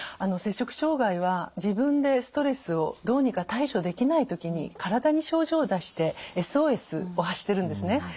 摂食障害は自分でストレスをどうにか対処できない時に体に症状を出してＳＯＳを発してるんですね。